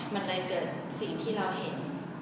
มันเลยเกิดสิ่งที่เราเห็น